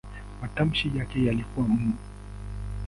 Matamshi yake yalikuwa "m".